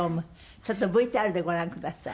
ちょっとＶＴＲでご覧ください。